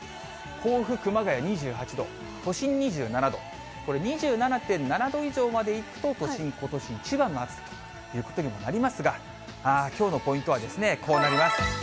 甲府、熊谷２８度、都心２７度、これ、２７．７度以上までいくと都心、ことし一番の暑さということにもなりますが、きょうのポイントはですね、こうなります。